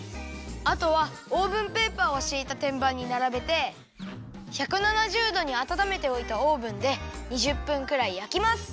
あとはオーブンペーパーをしいたてんばんにならべて１７０どにあたためておいたオーブンで２０分くらいやきます。